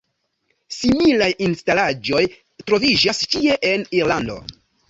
Similaj instalaĵoj troviĝas ĉie en Irlando.